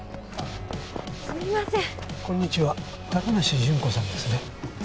すみませんこんにちは高梨順子さんですね？